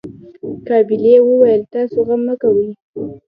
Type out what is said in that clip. قابلې وويل تاسو غم مه کوئ.